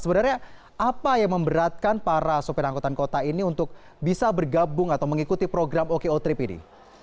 sebenarnya apa yang memberatkan para sopir angkutan kota ini untuk bisa bergabung atau mengikuti program oko trip ini